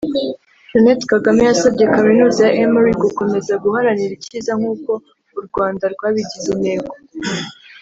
Jeannette Kagame yasabye Kaminuza ya Emory gukomeza guharanira icyiza nk’uko u Rwanda rwabigize intego